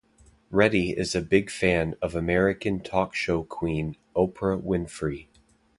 Reddy is a big fan of American talk show queen Oprah Winfrey.